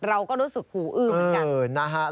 เราก็รู้สึกหูอื้อเหมือนกัน